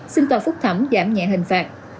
xin tòa phúc thẩm giảm nhẹ hình phạt